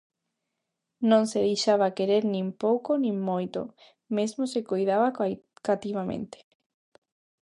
Non se deixaba querer nin pouco nin moito, mesmo se coidaba cativamente.